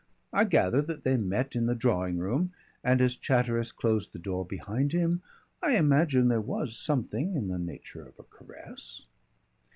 I gather that they met in the drawing room, and as Chatteris closed the door behind him, I imagine there was something in the nature of a caress.